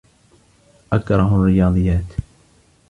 أكره الرياضيات.